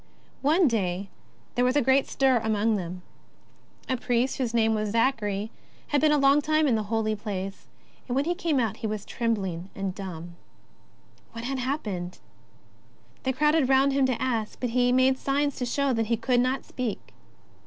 One day there was a great stir among them. A priest whose name was Zachary had been a long time in the Holy Place, and when he came out he was trembling — and dumb. What had happened ? They crowded round him to ask, but he made signs to show he could not speak.